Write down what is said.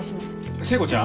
聖子ちゃん？